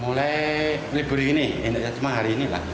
mulai libur ini cuma hari ini lah